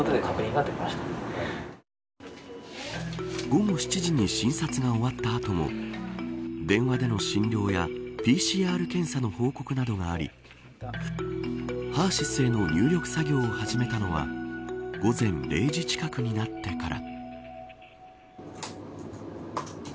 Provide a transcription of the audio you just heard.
午後７時に診察が終わった後も電話での診療やＰＣＲ検査の報告などがありＨＥＲ‐ＳＹＳへの入力作業を始めたのは午前０時近くになってから。